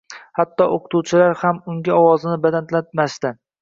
Hatto o‘qituvchilar ham unga ovozini balandlatmasdi.